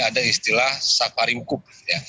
ada istilah safari hukum